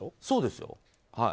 そうですよ。